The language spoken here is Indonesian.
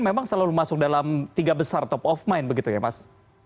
memang selalu masuk dalam tiga besar top of mind begitu ya mas